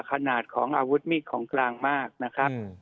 ขนาดของอาวุธมีดของกลางมากนะครับ